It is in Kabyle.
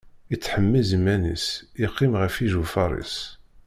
Ittḥemmiẓ iman-is, iqqim ɣef ijufaṛ-is.